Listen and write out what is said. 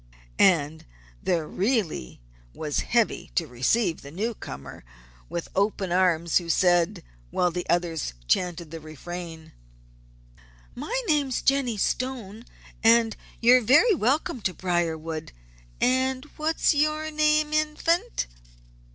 And there really was Heavy to receive the newcomer with open arms, who said, while the others chanted the refrain: "My name's Jennie Stone, and you're very welcome to Briarwood, and what's your name, Infant?"